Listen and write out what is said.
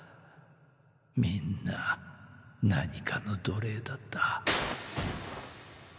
みんな何かの奴隷だった。